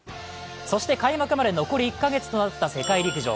そして開幕まで残り１カ月となった世界陸上。